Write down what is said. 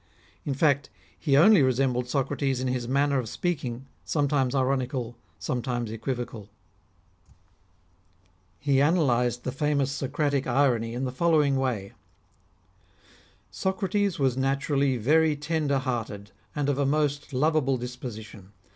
In fact, he only resembled Socrates in his manner of speaking, sometimes ironical, sometimes equivocal. PHILIP OTTONIERL 1I9 He analysed the famous Socratic irony in the follow ing way :— "Socrates was naturally very tender hearted, and of a most lovable disposition.